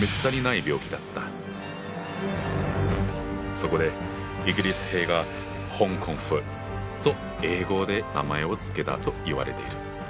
そこでイギリス兵が「ＨｏｎｇＫｏｎｇｆｏｏｔ」と英語で名前を付けたといわれている。